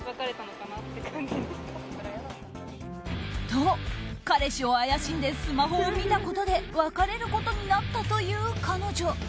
と、彼氏を怪しんでスマホを見たことで別れることになったという彼女。